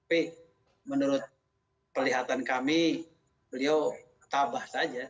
tapi menurut kelihatan kami beliau tabah saja